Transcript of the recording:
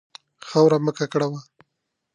خاوره مه ککړوه.